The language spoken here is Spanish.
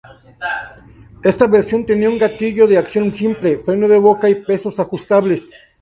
Esta versión tenía un gatillo de acción simple, freno de boca y pesos ajustables.